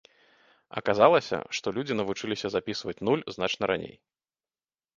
Аказалася, што людзі навучыліся запісваць нуль значна раней.